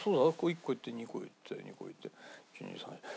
１個いって２個いって２個いって１２３４。